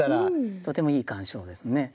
とてもいい鑑賞ですね。